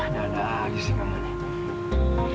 dah dah disini kamu nih